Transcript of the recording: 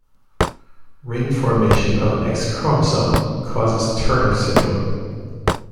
Ring formation of an X-chromosome causes Turner syndrome.